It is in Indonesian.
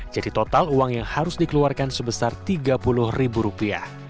jadi total uang yang harus dikeluarkan sebesar tiga puluh rupiah